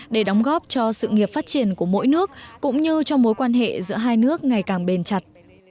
để đóng góp cho sự nghiệp phát triển của mỗi nước cũng như cho mối quan hệ giữa hai nước ngày càng bền chặt